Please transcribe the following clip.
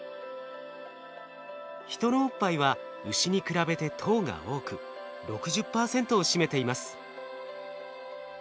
ヒトのおっぱいはウシに比べて糖が多く６０％を占めています。